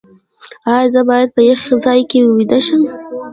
ایا زه باید په یخ ځای کې ویده شم؟